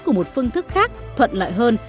của một phương thức khác thuận lại hơn